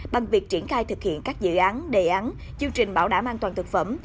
bằng việc triển khai thực hiện các dự án đề án chương trình bảo đảm an toàn thực phẩm